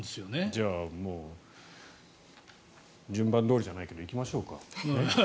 じゃあ、もう順番どおりじゃないけど行きましょうか。